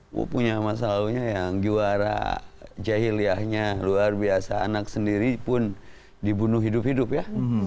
gue punya masa lalunya yang juara jahiliahnya luar biasa anak sendiri pun dibunuh hidup hidup ya